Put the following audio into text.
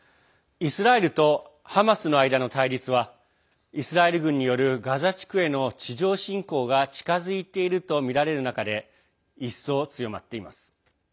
イスラエルとハマスの間の対立はイスラエル軍によるガザ地区への地上侵攻が近づいているとみられる中で一層、強まっています。